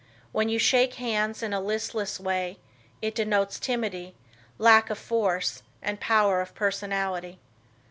When you shake hands in a listless way, it denotes timidity, lack of force and power of personality.